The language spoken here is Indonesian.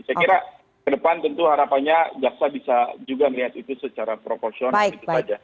saya kira kedepan tentu harapannya jaksa bisa juga melihat itu secara proporsional